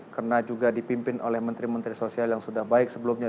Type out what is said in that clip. karena juga dipimpin oleh menteri menteri sosial yang sudah baik sebelumnya